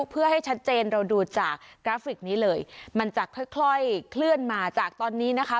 เพื่อให้ชัดเจนเราดูจากกราฟิกนี้เลยมันจะค่อยเคลื่อนมาจากตอนนี้นะคะ